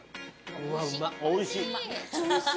おいしい。